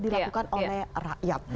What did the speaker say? dilakukan oleh rakyat